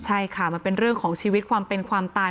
ใช่ค่ะมันเป็นเรื่องของชีวิตความเป็นความตาย